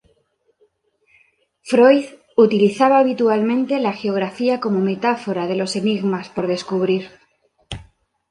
Freud utilizaba habitualmente la geografía como metáfora de los enigmas por descubrir.